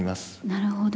なるほど。